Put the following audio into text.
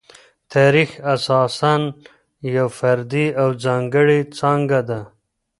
تاریخ اساساً یوه فردي او ځانګړې څانګه ده.